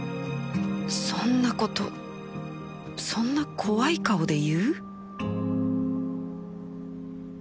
そんな事そんな怖い顔で言う？